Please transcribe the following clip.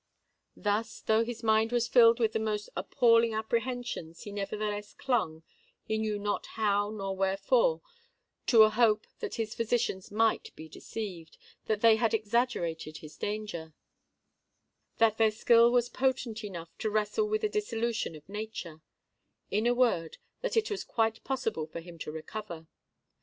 Thus, though his mind was filled with the most appalling apprehensions, he nevertheless clung—he knew not how nor wherefore—to a hope that his physicians might be deceived—that they had exaggerated his danger—that their skill was potent enough to wrestle with the dissolution of nature—in a word, that it was quite possible for him to recover.